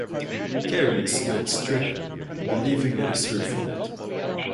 Carrie is guilt-stricken, believing it is her fault.